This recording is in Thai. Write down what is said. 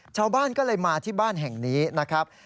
ชาวบ้านก็เลยมาที่บ้านแห่งนี้นะครับ